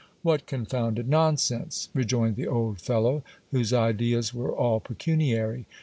What confounded non sense ! rejoined the old fellow, whose ideas were all pecuniary.